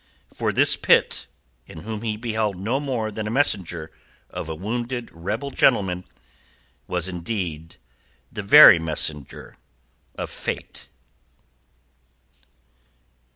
For this Pitt, in whom he beheld no more than the messenger of a wounded rebel gentleman, was indeed the very messenger of Fate.